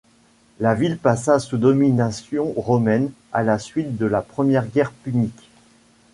La ville passa sous domination romaine à la suite de la première guerre punique.